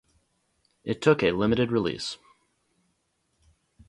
It took a limited release.